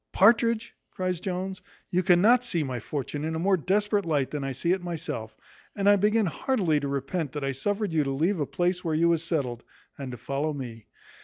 "Partridge," cries Jones, "you cannot see my fortune in a more desperate light than I see it myself; and I begin heartily to repent that I suffered you to leave a place where you was settled, and to follow me.